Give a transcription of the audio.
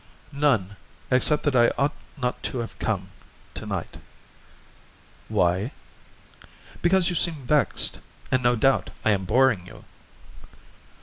"None, except that I ought not to have come to night." "Why?" "Because you seem vexed, and no doubt I am boring you."